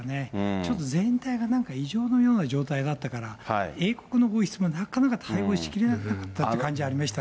ちょっと全体がなんか異常のような状態だったから、英国の王室もなかなか対応しきれなかったという感じがありました